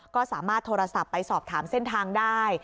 ก็สามารถโทรศัพท์ไปสอบถามเส้นทางได้